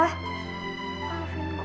alvin kau ngeliat ya